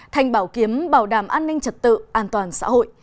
thành bảo kiếm bảo đảm an ninh trật tự an toàn xã hội